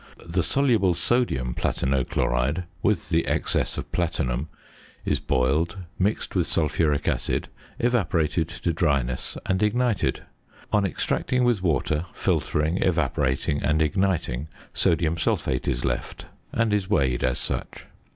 The soluble sodium platino chloride, with the excess of platinum, is boiled, mixed with sulphuric acid, evaporated to dryness, and ignited. On extracting with water, filtering, evaporating, and igniting, sodium sulphate is left, and is weighed as such.